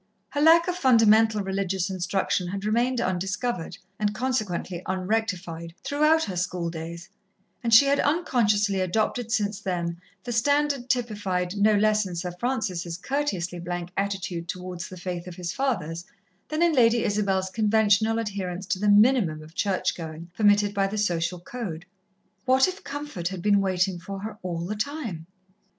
Her lack of fundamental religious instruction had remained undiscovered, and consequently unrectified, throughout her schooldays, and she had unconsciously adopted since then the standard typified no less in Sir Francis' courteously blank attitude towards the faith of his fathers, than in Lady Isabel's conventional adherence to the minimum of church going permitted by the social code. What if comfort had been waiting for her all the time?